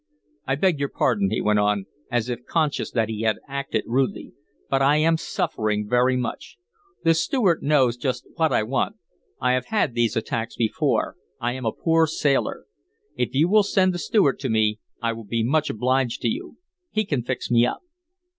"I beg your pardon," he went on, as if conscious that he had acted rudely, "but I am suffering very much. The steward knows just what I want. I have had these attacks before. I am a poor sailor. If you will send the steward to me I will be obliged to you. He can fix me up."